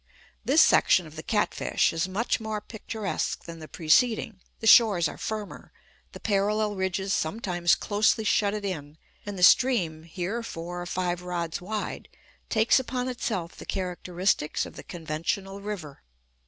This section of the Catfish is much more picturesque than the preceding; the shores are firmer; the parallel ridges sometimes closely shut it in, and the stream, here four or five rods wide, takes upon itself the characteristics of the conventional river.